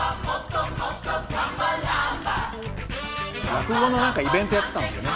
落語の何かイベントやってたんですよね？